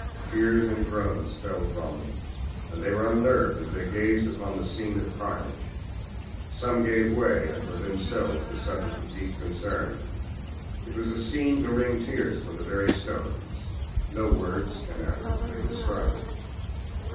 Tears and groans fell from them and they were unnerved as they gazed upon the scene of carnage. Some gave way and were themselves the subjects of deep concern. It was a scene to wring tears from the very stones. No words can adequately describe it.